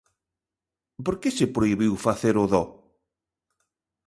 ¿Por que se prohibiu facer o dó?